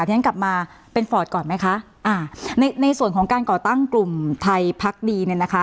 ที่ฉันกลับมาเป็นฟอร์ตก่อนไหมคะอ่าในในส่วนของการก่อตั้งกลุ่มไทยพักดีเนี่ยนะคะ